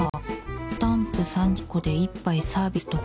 スタンプ３０個で１杯サービスとか。